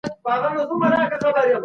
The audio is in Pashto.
دا پوره کېلو دئ.